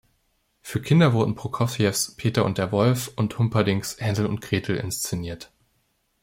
Für Kinder wurden Prokofjews „Peter und der Wolf“ und Humperdincks „Hänsel und Gretel“ inszeniert.